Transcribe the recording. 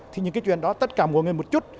thì những cái chuyện đó tất cả mỗi người một chút